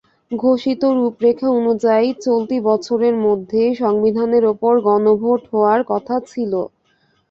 ঘোষিত রূপরেখা অনুযায়ী, চলতি বছরের মধ্যেই সংবিধানের ওপর গণভোট হওয়ার কথা ছিল।